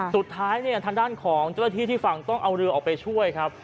สุดท้ายเนี่ยทางด้านของเจ้าหน้าที่ที่ฝั่งต้องเอาเรือออกไปช่วยครับ